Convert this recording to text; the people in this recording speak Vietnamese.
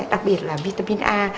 đặc biệt là vitamin a